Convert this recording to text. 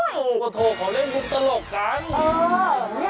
มาโทรเขาเล่นมุกตลกกัน